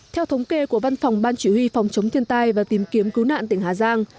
theo thống kê của văn phòng ban chỉ huy phòng chống thiên tai và tìm kiếm cứu nạn tỉnh hà giang